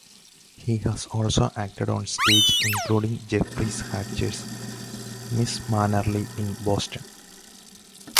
He has also acted on stage, including in Jeffrey Hatcher's "Mrs. Mannerly" in Boston.